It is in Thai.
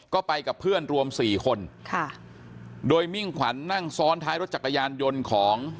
ก็ไปกับเพื่อนรวมสี่คนค่ะโดยมิ่งขวัญนั่งซ้อนท้ายรถจักรยานยนต์ของ